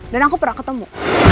dan aku pernah ketemu